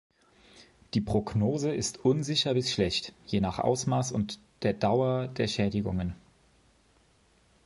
Die Prognose ist unsicher bis schlecht, je nach Ausmaß und der Dauer der Schädigungen.